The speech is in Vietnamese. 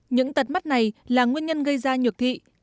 những tật mắt này là nguyên nhân gây ra nhược thị